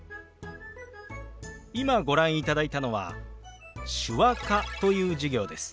今ご覧いただいたのは手話科という授業です。